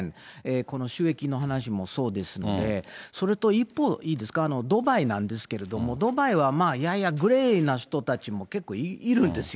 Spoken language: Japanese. この収益の話もそうですので、それと一方、いいですか、ドバイなんですけれども、ドバイはまあ、ややグレーな人たちも結構いるんですよ。